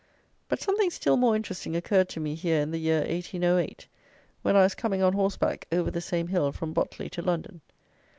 But something still more interesting occurred to me here in the year 1808, when I was coming on horseback over the same hill from Botley to London.